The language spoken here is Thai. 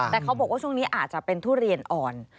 แต่เขาบอกว่าช่วงนี้อาจจะเป็นทุเรียนอ่อน